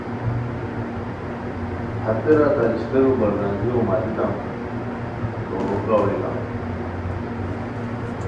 ہتیرا تہ اشپیرو برزانگیو ماریتام تو بوکو اویتام